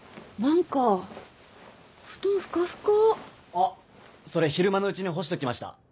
あっそれ昼間のうちに干しときました。